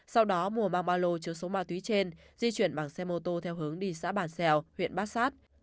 sau đó mua bao ba lô chứa số ma túy trên di chuyển bằng xe mô tô theo hướng đi xã bản xèo huyện bát sát